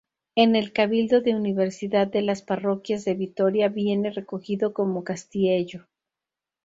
En el Cabildo de Universidad de las parroquias de Vitoria viene recogido como "Castiello".